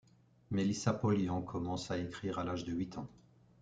Mélissa Pollien commence à écrire à l'âge de huit ans.